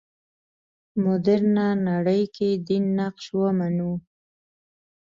مډرنه نړۍ کې دین نقش ومنو.